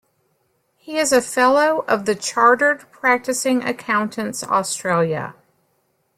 He is a Fellow of the Chartered Practising Accountants Australia.